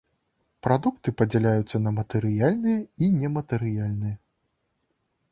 Прадукты падзяляюцца на матэрыяльныя і нематэрыяльныя.